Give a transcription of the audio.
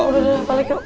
udah udah balik yuk